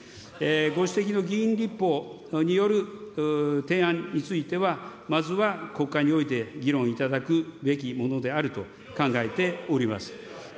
ご指摘の議員立法による提案については、まずは国会において議論いただくべきものであると考えております。